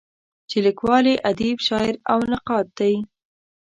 چې لیکوال یې ادیب، شاعر او نقاد دی.